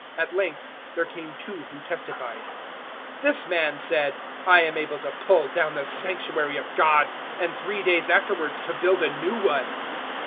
At length there came two 026:061 who testified, "This man said, `I am able to pull down the Sanctuary of God and three days afterwards to build a new one.'"